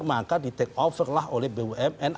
maka di take over lah oleh bumn